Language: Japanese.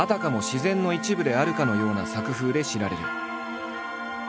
自然の一部であるかのような作風で知られる。